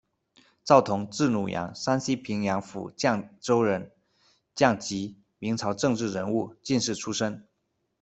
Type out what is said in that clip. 赵桐，字汝阳，山西平阳府绛州人，匠籍，明朝政治人物、进士出身。